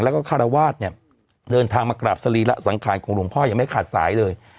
แล้วก็คารวาสเนี่ยเดินทางมากราบสรีระสังขารของหลวงพ่อยังไม่ขาดสายเลย